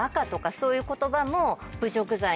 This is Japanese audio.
そういう言葉も。